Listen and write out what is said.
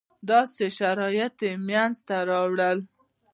داسې شرایط منځته راوړو.